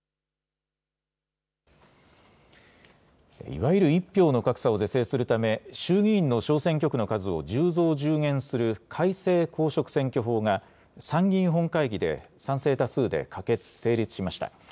いわゆる１票の格差を是正するため、衆議院の小選挙区の数を１０増１０減する改正公職選挙法が、参議院本会議で賛成多数で可決・成立しました。